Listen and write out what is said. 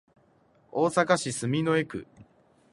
大阪市住之江区